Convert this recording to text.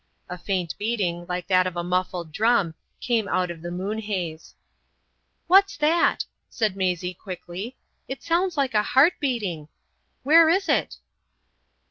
A faint beating, like that of a muffled drum, came out of the moon haze. "What's that?" said Maisie, quickly. "It sounds like a heart beating. Where is it?"